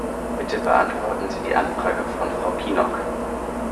Bitte beantworten Sie die Anfrage von Frau Kinnock.